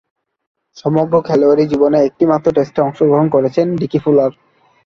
সমগ্র খেলোয়াড়ী জীবনে একটিমাত্র টেস্টে অংশগ্রহণ করেছেন ডিকি ফুলার।